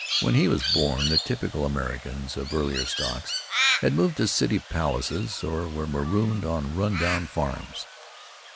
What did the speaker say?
When he was born the "typical Americans" of earlier stocks had moved to city palaces or were marooned on run down farms.